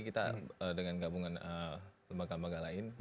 kita dengan gabungan lembaga lembaga lain